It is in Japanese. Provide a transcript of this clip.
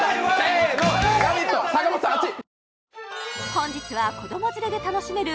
本日は子ども連れで楽しめる